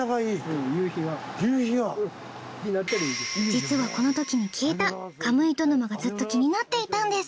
実はこのときに聞いたカムイト沼がずっと気になっていたんです。